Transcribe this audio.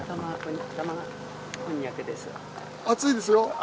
熱いですよ。